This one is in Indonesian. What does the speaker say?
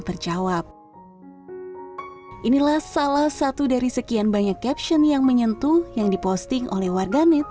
terjawab inilah salah satu dari sekian banyak caption yang menyentuh yang diposting oleh warganet